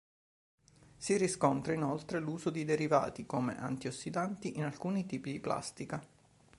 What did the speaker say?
Si riscontra inoltre l'uso di derivati come antiossidanti in alcuni tipi di plastica.